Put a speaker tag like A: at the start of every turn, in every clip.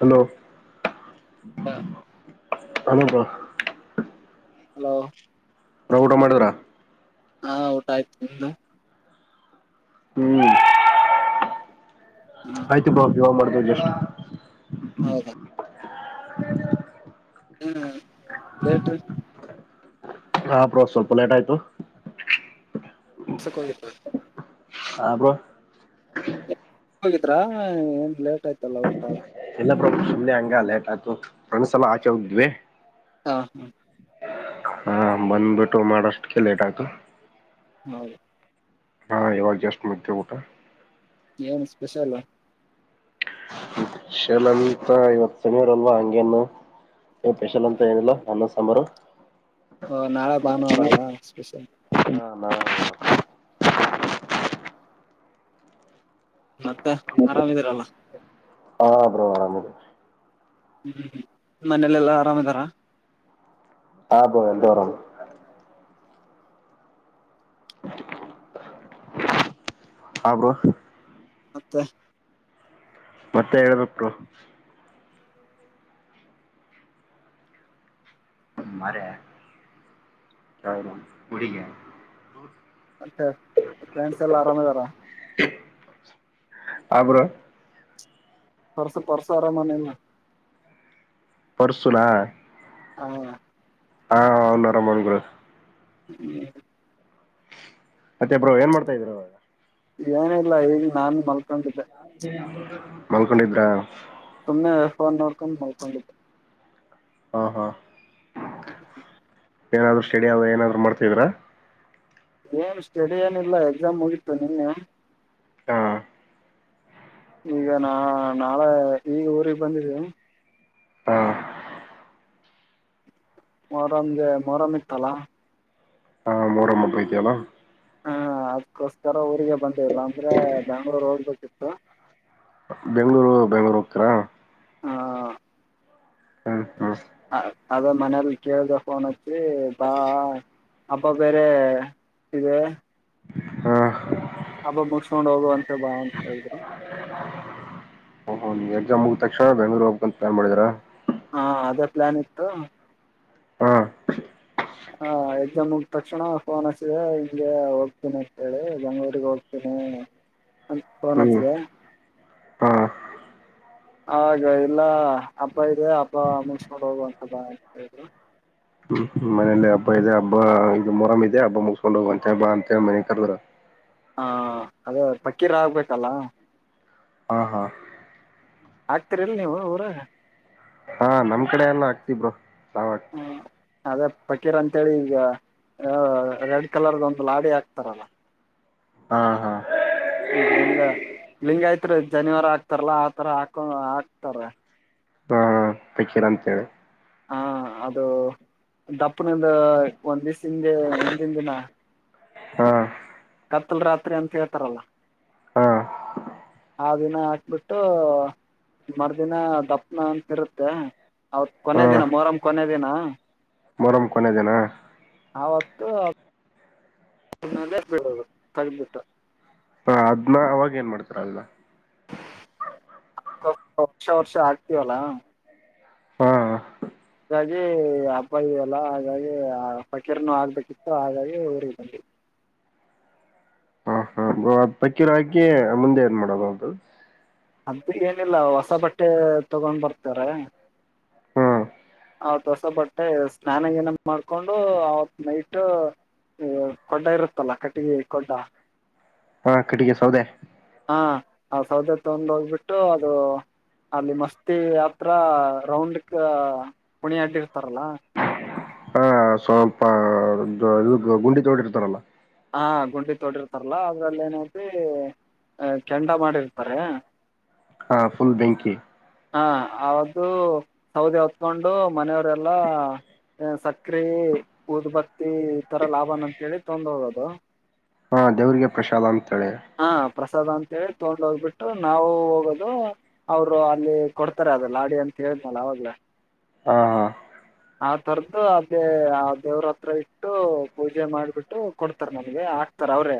A: Hello
B: ಹಾ
A: ಅನದಾ
B: hello
A: ಊಟ ಮಾಡಿದ್ರಾ
B: ಹಾ ಊಟ ಆಯ್ತು ನಿಮ್ದು
A: ಹ್ಮ್
B: ಹಾ
A: ಆಯ್ತು ಬಾ [unintelligible] ಇವಾಗ್ ಮಾಡ [unintelligible]
B: ಹೌದಾ
A: [inaudible]
B: ಹ್ಮ್ ಲೇಟ್ ರಿ [unintelligible]
A: ಹಾ ಬ್ರೋ ಸ್ವಲ್ಪ ಲೇಟ್ ಆಯ್ತು
B: [unintelligible]
A: ಹ ಬ್ರೋ [unintelligible]
B: ಹೋಗಿದ್ರಾ ಏನ್ ಲೇಟ್ ಆಯ್ತಲ್ಲ ಊಟ
A: ಇಲ್ಲ ಬ್ರೋ ಸುಮ್ನೆ ಹಂಗ ಲೇಟ್ ಆಯಿತು ಫ್ರೆಂಡ್ಸ್ ಎಲ್ಲ ಆಚೆ ಹೋಗಿದ್ವಿ
B: ಹಾ ಹಾ
A: ಹಾ ಬಂದ್ಬಿಟ್ಟು ಮಾಡಷ್ಟ ಕೆ ಲೇಟ್ ಆಯ್ತು
B: ಹೌದು
A: ಹಾ ಇವಾಗ ಜಸ್ಟ್ ಮುಗಿ [unintelligible] ಊಟ
B: ಏನ್ ಸ್ಪೆಷಲ್.
A: ಶಲಂತ [unintelligible] ರಲ್ವಾ ಹಂಗೆನ್ನು ಏನ ಸ್ಪೆಷಲ್ ಅಂತ ಏನಿಲ್ಲ ಅನ್ನ ಸಾಂಬಾರ್
B: ಓ ನಾಳೆ ಭಾನುವಾರಲ್ಲ ಸ್ಪೆಷಲ್
A: ಹ [unintelligible]
B: ಮತ್ತೆ ಆರಾಮಿದೀರಲ್ಲ.
A: ಹಾ ಬ್ರೋ ಅರಾಮಿದಿನಿ.
B: ಹ್ಮ್ ಹ್ಮ್ ಮನೇಲೆಲ್ಲಾ ಆರಾಮ್ದಾರ
A: ಹಾ ಬ್ರೋ ಎಲ್ಲರೂ ಅರಾಮ್ ಹ ಬ್ರೋ
B: ಮತ್ತೆ
A: ಮತ್ತೆ ಹೇಳಬೇಕು ಬ್ರೋ. [unintelligible]
B: ಮತ್ತೆ ಫ್ಯಾನ್ಸ್ [unintelligible] ಎಲ್ಲ ಆರಾಮ್ ಇದಾರ.
A: ಹ ಬ್ರೋ
B: [unintelligible]
A: ಪರ್ಸುನ [unintelligible]
B: ಹಾ
A: ಹಾ [unintelligible] ಬ್ರೋ
B: ಹ್ಮ [unintelligible]
A: ಮತ್ತೆ ಬ್ರೋ ಏನ್ ಮಾಡ್ತಾ ಇದ್ದೀರಾ ಇವಾಗ.
B: ಏನ ಇಲ್ಲ ಈಗ ನಾನು ಮಲ್ಕೊಂತಿದ್ದೆ.
A: ಮಲ್ಕೊಂಡಿದ್ರ
B: ಸುಮ್ಮನೆ ಫೋನ್ ನೋಡ್ಕೊಂಡು ಮಲ್ಕೊಂಡಿದ್ದೆ
A: ಹಾ ಹಾ.
B: ಹ.
A: ಏನಾದ್ರು ಸ್ಟಡಿ ಅ ಏನಾದ್ರು ಮಾಡ್ತಿದ್ರಾ.
B: ಏನ್ ಸ್ಟಡಿ ಏನಿಲ್ಲ ಎಕ್ಸಾಮ್ ಹೋಗಿತ್ತು ನಿನ್ನೆ.
A: ಹಾ.
B: ಈಗ ನಾ ನಾಳೆ ಈಗ ಊಗ್ ಬಂದಿದ್ದೀ.
A: ಹಾ
B: ಮೊರಮ್ಗೆ ಮೊರಾಮ್ ಇತ್ತಲ್ಲಾ.
A: ಹಪತಲ್ಲ.
B: ಹಾ ಅದ್ಕೋಸ್ಕರ ಊರಿಗೆ ಬಂತ. ಇಲ್ಲಾಂದ್ರೆ ಬಂಗಳೂರು ಹೋಗ. ತ್ತಾ.
A: ಬೆಂಗ್ಳೂರು ಬೆಂಗ್ಳೂರು ಹೋಗ್ತಾರಾ.
B: ಹಾ.
A: ಹ್ಮ ಹ್ಮ.
B: ಅದ ಮನೇಲಿ ಕೇಳ್ದ ಫೋನ್. ಸ ಬಾ. ಹಬ್ಬ ಬೇರೆ ಇದೆ.
A: ಹಾ.
B: ಹಬ್ಬಬ್ ಮುಗಸ್ಕೊಂಡ್ ಹೋಗುವಂತ ಬಾ ಅಂತ ಹೇಳಿದ್ರು.
A: ಹ ಎಕ್ಾಮ್ ಮುಗ್ಕ್ಷ ಬೆಂಗಳೂರು ಹೋಗಬೇಕಂತ ಪಲನ್ ಮಾಡಾರಾ.
B: ಹಾ ಅದೇ ಪ್ಲಾನ್ ಇತ್ತು.
A: ಹಾ.
B: ಹಾ ಎಕ್ಸಾಮ್ ಮುಗ ತಕ್ಷಣ ಫೋನ್ ಹಸಿದೆ ಹಗೆ ಹೋಗ್ತೀನಿ ಅಂತೇಳಿ ಬೆಂಗ್ಗಳೂರಿಗೆ ಹೋಗ್ತೀನಿ ಅ ಫೋನ್
A: ಹ್ಮ್
B: ಹಚ್ಿದೆ.
A: ಹಾ
B: ಆ ಇಲ್ಲ ಅಪ್ಪ ಇದೆ ಅಪ್ಪ ಮುಸ್ಕೊಂಡ ಹೋಗುವಂತ ಬಾತರು.
A: ಮನೇೆಯಲ್ಲಿ ಹಬ್ಬ ಇದೆ ಹಬ್ಬ ಇದು ಮೊರಮ್ ಇದೆ ಹಬ್ಬ. ಮುಗಸ್ಕೊಂಡು ಹೋಗ ಅಂಂತ ಬಾ ಅಂತ ಮನೆ ಕರ್ದರು
B: ಹಾ ಅದೇ ಪಕ್ಕೀರ ಆಗ್ಬೇಕಲ್ಲ
A: ಹ ಹಾ
B: ಹಕ್ತೀರಿಲ್ ನೀವು ಊರ
A: ಹಾ ನಮ್ ಕಡೆ ಎಲ್ಲ ಆಗ್ತಿಬರು ಸಾವತ್ತು
B: ಅದೇ ಪಕೀರ್ ಅಂತೇಳಿ ಈಗ ರೆಡ್ ಕಲರ್ದ ಒಂದು ಲಾಡಿ ಹಾಕ್ತಾರಲ್ಲ
A: ಹಾ ಹಾ
B: ಈಗ ಹೆಂಗ ಲಿಂಗ ಆಯ್ತ್ರಿ ಜನಿವಾರ ಹಾಕ್ತಾರಲ್ಲಾ ಆತರ ಹಾಕೊಂಡ ಹಾಕ್ತಾರ
A: ಪಕೀರ ಅಂತೇಳಿ
B: ಹಾ ಅದು ದಪ್ಪನಂದ ಒಂದ್ ದಸ ಹಿಂದೆ ಹಿಂದಿಂದ ದಿನ
A: ಹಾ
B: ಕತ್ತಲ್ ರಾತ್ರಿ ಅಂತ ಹೇಳ್ತಾರಲ್ಲ
A: ಹಾ
B: ಆ ದಿನ ಹಾಕ್ಬಿಟ್ಟು ಮರ್ದಿನ ದಪ್ಪನ ಅಂತಿರುತ್ತೆ ಅವತ್
A: ಹಾ
B: ಕೊನ ದಿನ ಮೊರಮ ಕೊನ ದಿನ
A: ಮೊಹರಂ ಕೊನೆ ದಿನ
B: ಅವತ್ತು ಹನ್ನಲ್ಲೇ ಬಿಡೋದು ತಗದಬಿಟ್ಟ
A: ಹಾ ಅದ್ನ ಅವಾಗ ಏನ್ ಮಾಡ್ತಾರ ಅಲ್ಲ
B: ವರ್ಷ ವರ್ಷ ಆಗ್ತವಲ್ಲಾ
A: ಹಾ
B: ಹಾಗಾಗಿ ಹಬ್ಬ ಇದವಲ್ಲ ಹಾಗಾಗಿ ಆ ಫಕೀರ್ ನು ಆಗ್ಬೇಕಿತ್ತು ಹಾಗಾಗಿ ಊರಿಗೆ ಬಂದವಿ
A: ಪಕ್ಕೀರ ಹಾಕಿ ಮುಂದೆ ಏನ್ ಮಾಡೋದು ಅದ
B: ಅದ ಏನಿಲ್ಲ ಹೊಸ ಬಟ್ಟೆ ತಗೊಂಡ್ ಬರ್ತಾರ
A: ಹ್ಮ್
B: ಆತ್ ಹೊಸ ಬಟ್ಟೆ ಸ್ನಾನ ಗಿನಾ ಮಾಡ್ಕೊಂಡು ಅವತ್ ನೈಟ್ ಕೊಡ್ಡ ಇರುತ್ತಲ್ಲ ಕಟ್ಟಿಗೆ ಕೊಡ್ಡ
A: ಹಾ ಕಟ್ಟಿಗೆ ಸೌದೇ
B: ಹಾ ಆ ಸೌದೆ ತೊಂದು ಹೋಗ್ಬಿಟ್ಟು ಅದು ಅಲ್ಲಿ ಮಸ್ತಿ ಹತ್ರ ರೌಂಡ್ಕ್ ಕೂಣಿ ಹಡ್ಡಿರ್ತಾರಲ್ಲ
A: ಹಾ ಸ್ವಲ್ಪ ಇ ಗುಂಡಿ ತೊಡೀರರ್ತಾರಲ್ಲ
B: ಹಾ ಗುಂಡಿ ತೋಡಿರ್ತಾರಲ್ಲಾ ಅದ್ರಲ್ಲಿ ಏನೈತಿ ಅ ಕೆಂಡ ಮಾಡಿರ್ತಾರೆ
A: ಹಾ ಫುಲ್ ಬೆಂಕಿ
B: ಹ ಅದು ಸೌದೆ ಹೊತ್ಕೊಂಡು ಮನೆಯವರೆಲ್ಲಾ ಸಕ್ಕರೆೆ ಉದಬತ್ತಿ ತರ ಲಾಭ ಅಂತೇಳಿ ತೊಗೊಂಡು ಹೋಗೋದು ಹ
A: ಹಾ ದೇವ್ರಿಗೆ ಪ್ರಸಾದ್ ಅಂತ
B: ಹಾ ಪ್ರಸಾದ ಅಂತೇಳಿ ತೊಗೊಂಡು ಹೋಗ್ಬಿಟ್ಟು ನಾವು ಹೋಗೋದು ಅವ್ರು ಅಲ್ಲಿ ಕೊಡ್ತಾರೆ ಅದಲ್ಲಾಡಿ ಅಂತ ಹೇಳಿದನಲ್ಲ ಅವಾಗ್ಲ
A: ಹಾ ಹಾ
B: ಆ ತರದು ಅದೇ ಆ ದೇವ್ರ ಹತ್ರ ಇಟ್ಟು ಪೂಜೆ ಮಾಡ್ಬಿಟ್ಟು ಕೊಡ್ತಾರ ನಮ್ಗೆ ಹಾಕ್ತಾರ ಅವ್ರೇ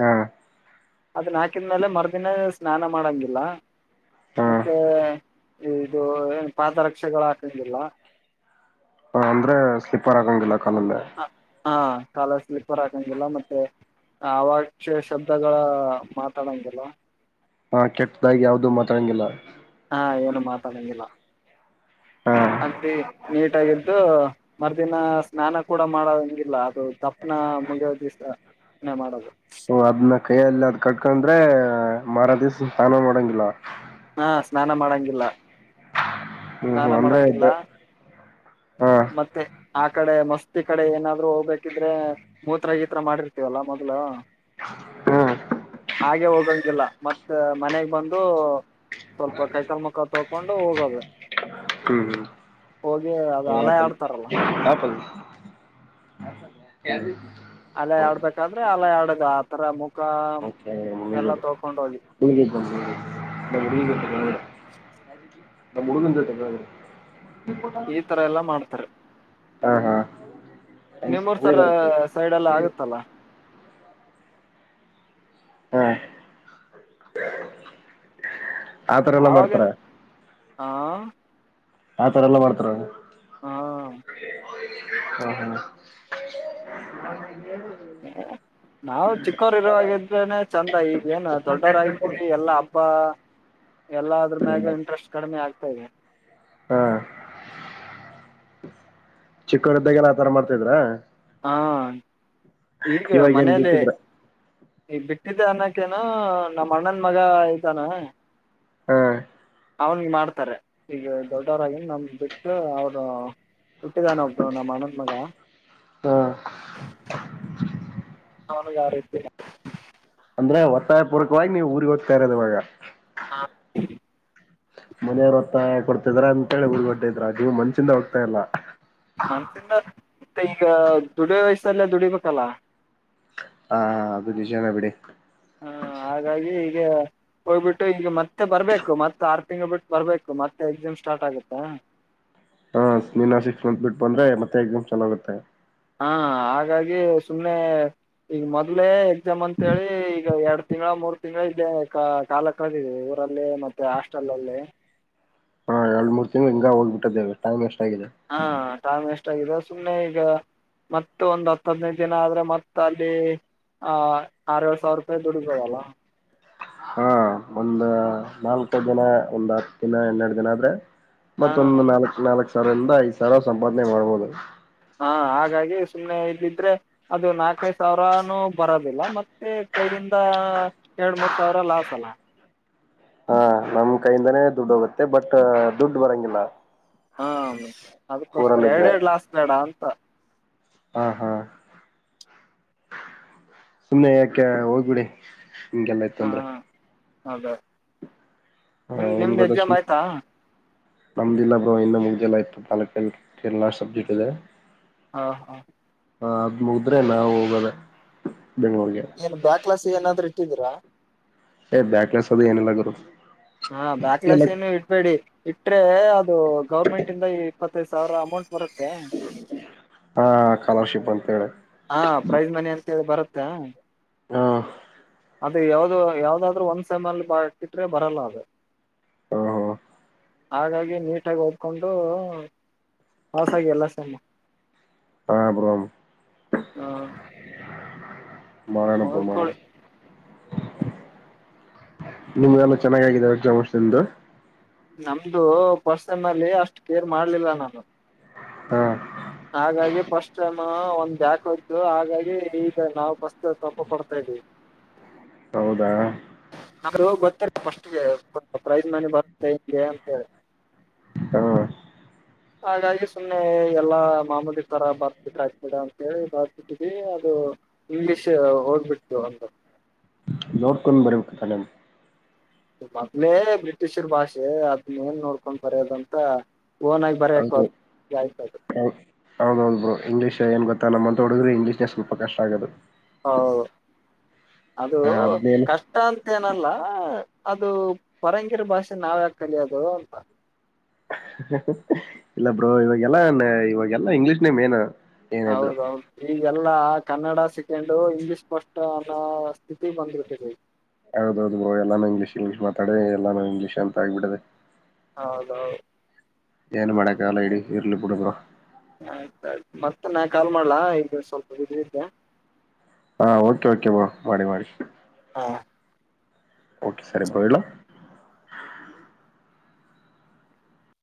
A: ಹಾ
B: ಅದನ್ ಹಾಕಿದ್ಮೇಲೆ ಮರ್ದಿನ ಸ್ನಾನ ಮಾಡಂಗಿಲ್ಲ
A: ಹಾ
B: ಮತ್ತೆ ಇದು ಏನು ಪಾದರಕ್ಷೆಗಳ ಹಾಕಂಗಿಲ್ಲ
A: ಹ ಅಂದ್ರೆ ಸ್ಲಿಪರ್ ಆಗಂಗಿಲ್ಲ
B: ಹ ಹಾ ಕಾಲ ಸ್ಲೀಪರ್ ಹಾಕಂಗಿಲ್ಲ ಮತ್ತೆ ಅವಾಶ್ಯ ಶಬ್ದಗಳ ಮಾತಾಡಂಗಿಲ್ಲ
A: ಹಾ ಕೆಟ್ಟದಾಗಿ ಯಾವ್ದು ಮಾತಾಡಂಗಿಲ್ಲ
B: ಹಾ ಏನು ಮಾತಾಡಂಗಿಲ್ಲ
A: ಹಾ
B: ಅತಿ ನೀಟಾಗಿದ್ದು ಮರುದಿನ ಸ್ನಾನ ಕೂಡ ಮಾಡೋ ಹಂಗಿಲ್ಲ ಅದು ದಪ್ಪನ ಮುಗಿಯ ದಿವಸ ಮಾಡೋದು
A: ಹ ಅದ್ನ ಕೈಯ್ಯಲ್ಲಿ ಅದ ಕಟ್ಕೊಂಡ್ರೆ ಮಾರಾದಿಸ ಸ್ನಾನ ಮಾಡಂಗಿಲ್ಲ
B: ಹಾ ಸ್ನಾನ ಮಾಡಂಗಿಲ್ಲ
A: ಹ್ಮ್
B: ಸ್ನಾನ
A: ಹ್ಮ್ ಅಂದ್ರೆ
B: ಮಾಡಂಗಿಲ್ಲ
A: ಹ
B: ಮತ್ತೆ ಆ ಕಡೆ ಮಸ್ತಿ ಕಡೆ ಏನಾದ್ರು ಹೋಗ್ಬೇಕಿದ್ರೆ ಮೂತ್ರ ಈತರ ಮಾಡಿರ್ತೀವಲ್ಲ ಮೊದ್ಲು
A: ಹಾ
B: ಹಾಗೆ ಹೋಗಂಗಿಲ್ಲ ಮತ್ತ ಮನೆಗ್ ಬಂದು ಸ್ವಲ್ಪ ಕೈಕಾಲ್ ಮುಖ ತೊಕೊಂಡು ಹೋಗದ ಹೋಗಿ ಅದು ಅಲೆ ಆಡ್ತಾರಲ್ಲ
A: ಹಾ [unintelligible] ಯ [unintelligible]
B: ಅಲ್ಲೈ ಆಡ್ಬೇಕಾದ್ರೆ ಅಲ್ಲೈ ಆಡದ ಆತರ ಮುಖ ಎಲ್ಲ ತ
A: ಹಗ ಹ [unintelligible] ನಮ್ಮ ಹುಡುಗನ ಜೊತೆ ಲೋ
B: ಈ ತರ ಎಲ್ಲಾ ಮಾಡ್ತಾರೆ
A: ಹಾ ಹಾ
B: ನಿಮ್ಮೂರ್
A: ಹಂಗೆ
B: ಸರ
A: ಬರುತ್ತೆ
B: ಸೈಡ್ ಎಲ್ಲ ಆಗತ್ತಲ್ಲ
A: ಹಾ ಆತರ ಎಲ್ಲಾ ಮಾಡ್ತಾರ
B: ಹಾ
A: ಆತರ ಎಲ್ಲ ಮಾಡ್ತಾರ
B: ಹಾ
A: ಹ ಹ
B: ನಾವು ಚಿಕ್ಕೋರು ಇರುವ ಹಾಗಾಗದ ಚಂದ ಈ ಏನ ದೊಡ್ಡೋರಾಗತಿರಿ ಎಲ್ಲಾ ಹಬ್ಬಾ ಎಲ್ಲ ಅದ್ರ ಮ್ಯಾಗ ಇಂಟ್ರೆಸ್ಟ್ ಕಡ್ಮೆ ಆಗ್ತದೆ ಹಾಗದಾ [unintelligible]
A: ಹ್ಮ್ ಚಿಕ್ಕರುದ್ದಾಗಲ್ಲ ಆತರ ಮಾಡ್ತಿದ್ರ
B: ಹಾ ಈಗ
A: ಇವಾಗ ಏನ್
B: ಮನೇೆಯಲ್ಲಿ
A: ಬಿಟ್ಟಿದ್ರ
B: ಈ ಬಿಟ್ಟಿದ್ದೆ ಅನ್ನಕ್ಕೇನ ನಮ ಅಣ್ಣನ್ ಮಗ ಇದಾನೆ
A: ಹ್ಮ್
B: ಅವನಿಗೆ ಮಾಡ್ತಾರೆ ಈಗ ದೊಡ್ಡವರಾಗಿನ್ ನಮ ಬಿಟ್ಟು ಅವರು ಹುಟ್ಟಿದಾನ ಒಬ್ ನಮ್ಮ ಅ್ಣನ್ ಮಗ
A: ಹಾ
B: ಅವನಿಗೆ ಯಾರೀತಿ
A: ಅಂದ್ರೆ ಒತ್ತಾಯ ಪೂರ್ವಕವಾಗಿ ನೀವುಊರಿಗೆ ಹೋಗ್ತಾ ಇರೋದ ಇವಾಗ
B: ಹಾ
A: ಮನೆಯವ್ರತ್ತಾಯ ಕೊಡ್ತಾರೆ ಕೊಡ್ತಿದ್ದಾರೆ ಅಂತ ಹೇಳಿ ಊರಿಗೆ ಹೋಗುತ್ತಿದ್ದೀರಾ ಮನ್ಸ್ ಚಿಂದ ಹೋಗ್ತಾ ಇಲ್ಲ
B: ಮನ್ಸಿಂದ ಮತ್ತೆ ಈಗ ದುಡಿಯೋ ವಯಸ್ಸಲ್ಲ ದುಡಿಬೇಕಲ್ಲ
A: ಹಾ ಅದು ನಿಜಾನೆ ಬಿಡಿ
B: ಹಾ ಹಾಗಾಗಿ ಈಗ ಹೋಗ್ಬಿಟ್ಟು ಈಗ ಮತ್ತೆ ಬರ್ಬೇಕು ಮತ್ತತ್ ಆರ್ ತಿಂಗಳ ಬಿಟ್ಟು ಬರ್ಬೇಕು ಮತ್ತೆ ಎಕ್ಸಾಮ್ ಸ್ಟಾರ್ಟ್ ಆಗತ್ತಾ
A: ಹ ನೀ ಸಿಕ್ಸ್ ಮಂತ್ ಬಿಟ್ಟು ಬಂದ್ರೆ ಮತ್ತೆ ಎಕ್ಸಾಮ್ ಚಲ ಆಗುತ್ತೆ
B: ಹಾ ಹಾಗಾಗಿ ಸುಮ್ನೆ ಈಗ ಮೊದ್ಲೇ ಎಕ್ಸಾಮ್ ಅಂತೇಳಿ ಈಗ ಎರಡ್ ತಿಂಗಳ ಮೂರ್ ತಿಂಗಳ ಇದೇ ಕ ಕಾಲ ಕಳೆದಿದೆ ಊರಲ್ಲಿ ಮತ್ತೆ ಹಾಸ್ಟೆಲ್ಲ್ಲಿ
A: ಹಾ ಎರಡ್ ಮೂರ್ ತಿಂಗಳು ಹಿ ಹೋಗ್ಬಿಟ್ಟ್ದೇ ಟೈಮ್ ಎಷ್ಟು
B: ಹಾ ತಷ್ಟ [unintelligible] ಅಷ್ಟದೆ ಸುಮ್ನೆ ಈಗ ಮತ್ತ ಒಂದ್ ಹತ್ತ ಹದ್ನೈದು ದಿನ ಆದ್ರೆ ಮತ್ತತ್ ಅಲ್ಲಿ ಆಹ ಆರಏಳ್ ಸಾವಿರ ರೂಪಾಯಿ ದುಡ್ಬೋದಲ್ಲ
A: ಹಾ ಒಂದು ನಾಲ್ಕು ಜನ ಒಂದ್ ಹತ್ತು ದಿನ ಹನ್ನೆರಡು ಜನ ಆದ್ರೆ
B: ಹಾ
A: ಮತ್ತೊಂದು ನಾಲ್ಕು ನಾಲ್ಕು ಸರ್ ಎಂದ ಐ್ ಸರ್ ಸಂಪಾದನೆ ಮಾಡ್ಬೋದು
B: ಹಾ ಹಾಗಾಗಿ ಸುಮ್ಮ್ನೆ ಇದ್ದಿದ್ರೆ ಅದು ನಾಲ್ಕೈದು ಸಾವಿರಾನು ಬರೋದಿಲ್ಲ ಮತ್ತೆ ಕೈಯಿಂದ ಎರಡ್ ಮೂರ್ ಸಾವಿರ ಲಾಸ್ ಅಲ್ಲ
A: ಹಾ ನಮ್ ಕೈಯಿಂದಾನೇ ದುಡ್ ಹೋಗುತ್ತೆ ಬಟ್ ದುಡ್ ಬರಂಗಿಲ್ಲ
B: ಹಾ ಅದಕ್ಕೋಸ್ಕರ ಎರಡ್
A: ಊರಲ್ಲಿದ್ರೆ
B: ಎರಡ್ ಲಾಸ್ಟ್ ಮೇಡ ಅಂತ ಹಾ
A: ಹಾ ಹಾ ಸುಮ್ಮ್ನೆ ಯಾಕೆ ಹೋಗ್ಬಿಡಿ ಹಿಂಗೆಲ್ಲ ಇತ್ಂದ್ರೆ
B: ಹದ ನಿಮ್ದ
A: ಏನ್
B: ನಿಮ್ದ
A: ಗೊತ್ತ
B: ಎಕ್ಸಾಮ್
A: ಸುಮ್
B: ಆಯ್ತಾ
A: ನಮ್ದಿಲ್ಲ ಬ್ರೋ ಇನ್ನು ಮುಗ್ದಿಲ್ಲ ಇಪ್ಪತ್ನಾಲ್ಕು ಕರಾ ಸಬ್ಜೆಕ್ಟ್ ಇದೆ
B: ಹಾ ಹಾ
A: ಹ ಅದ ಮುದ್ರೆ ನಾವ ಹೋಗದ
B: ಏನ್ ಬ್ಯಾಕ್ಲಾಸ್ ಏನಾದ್ರೂ ತಿದಿರಾ
A: ಏ ಬ್ಯಾಕ್ಲೆನ್ಸ್ ಅದು ಏನಲ್ಲಗದು
B: ಹಾ ಬ್ಯಾಕ್ಲಾಸ್ ಏನು ಇಡ್ಬೇಡಿ ಇಟ್ರೆ ಅದ ಇದು ಗೌರ್ಮೆಂಟ್ ಇಂದ ಈ ಇಪ್ಪತ್ತೈದು ಸಾವಿರ ಅಮೌಂಟ್ ಬರುತ್ತೆ
A: ಹಾ ಸ್ಕಾಲರ್ಶಿಪ್ ಅಂತ ಹೇಳಿ
B: ಹಾ ಪ್ರೈಜ್ ಮನಿ ಅಂತ ಹೇಳಿ ಬರತ್ ಹಾ
A: ಹಾ
B: ಅದು ಯಾವ್ದ ಯಾವ್ದಾದ್ರು ಒಂದ್ ಸಮ್ಮಲ್ಲಿ ಬಟ್ಟಿಟ್ರೆ ಬರಲ್ಲ ಅದು
A: ಹಾ ಹಾ
B: ಹಾಗಾಗಿ ನೀಟಾಗಿ ಓದಕೊಂಡು ಪಾಸಾಗಿ ಎಲ್ಲ ಸಾಮ
A: ಹ ಬ್ರೋ
B: ಹಾ
A: ಮಾಡೋಣ ಬ್ರೋ ಮಾಡೋಣ ನಿಮಗೆಲ್ಲ ಚೆನ್ನಾಗಾಗಿದವ [unintelligible]
B: ನಮ್ದು ಪರ್ಸನ್ ಅಲ್ಲಿ ಅಷ್ಟು ಕೇರ್ ಮಾಡ್ಲಿಲ್ಲ ನಾನು
A: ಹಾ
B: ಹಾಗಾಗಿ ಫಸ್ಟ್ ಟೈಮ ಒಂದ ಬ್ಯಾಕ್ಕ ಹೋಯ್ತು ಹಾಗಾಗಿ ಈಗ ನಾವು ಫಸ್ಟ್ ತಪ ಕೊಡ್ತಾ ಇದ್ದ್ವಿ
A: ಹೌದಾ
B: ಗತ್ತಾರ ಫಸ್ಟ್ಗೆ ಪ್ರೈಜ್ ಮನಿ ಬರುತ್ತೆ ಹಿಂಗೆ ಅಂತ ಹೇಳಿ
A: ಹಾ
B: ಹಾಗಾಗಿ ಸುಮ್ಮ್ನೆ ಎಲ್ಲಾ ಮಾಮೂಲಿ ತರ ಬರ್ಬಿಟ್ಟಾಕ್ಬಿಡ ಅಂತ ಹೇಳಿ ಬರ್ಬಿಟ್ಟಿದವಿ ಅದು ಇಂಗ್ಲಿಷ್ ಹೋಗ್ಬಿಡ್ತು ಒಂದು
A: ನೋಡ್ಕೊಂಡ ಬರಬೇಕಬೇಕ ಕಲೆ
B: ಮೊದ್ಲೇ ಬ್ರಿಟಿಷರ್ ಭಾಷೆ ಅದನ್ನ ಏನ್ ನೋಡ್ಕೊಂಡ್ ಬರೋದಂತ ಓನಾಗಿ ಬರಬೇಕು
A: ಹೌದು
B: ಹಕ [unintelligible]
A: ರು ಇಂಗ್ಲಷ್ ಏನ್ ಗೊತ್ತ ನಮ್ಮಂತ ಹುಡಗ್ರ ಇಂಗ್ಲಿಷ್ ನ ಸ್ವಲ್ ಕಷ್ಟ ಆಗದು
B: ಹೌದು ಅದು
A: ಆ, ಅದ್ನೇನು
B: ಕಷ್ಟ ಅಂತೇನಲ್ಲ ಅದು ಪರಂಗಿರಿ ಭಾಷೆ ನಾವ ಯಾಕ ಕಲಿಯೋದು ಅಂತ
A: ಹ ಹಾ ಹಾ ಇಲ್ಲ ಬ್ರೋ ಇವಾಗೆಲ್ಲಾ ಇವಾಗೆಲ್ಲಾ ಇಂಗ್ಲೀಷ್ನೆ ಮೇನ್ ಏನಿದ್ರು
B: ಹೌದೌದು ಈಗೆಲ್ಲಾ ಕನ್ನಡ ಸೆಕೆಂಡು ಇಂಗ್ಲಿಷ್ ಫಸ್ಟ್ ಅನ್ನೋ ಸ್ಥಿತಿಗ್ ಬಂಬಿಟ್ಟಿದೆ
A: ಹೌದೌ ದು ಬ್ರೋ ಎಲ್ಲಾನು ಇಂಗ್ಲಿಷ್ ಇಂಗ್ಲೀಷ ಮಾತಾಡಿ ಎಲ್ಲಾನು ಇಂಗ್ಲೀಷ್ ಅಂತ ಆಗ್ಬಡದೆ
B: ಹೌದೌದು
A: ಏನು ಮಾಡಕ್ಕಾಗಲ್ಲ ಇರೀ, ಇರ್ಲಿ ಬಿಡು ಬ್ರೋ.
B: ಆಯ್ತ್ ಆಯ್ತು ಮತ್ತ ನಾ ಕಾಲ್ ಮಾಡ್ಲಾ ಇದು ಸ್ವಲ್ಪ ಬಿಸಿ ಇದ್ದೆ
A: ಹಾ ಓಕೆ ಓಕೆ ಬ್ರೋ ಮಾಡಿ ಮಾಡಿ.
B: ಹಾ
A: ಓಕೆ ಸರಿ ಬ್ರೋ ಹೇಳು.